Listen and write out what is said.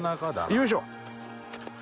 よいしょ。